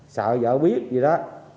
sợ vợ biết gì đó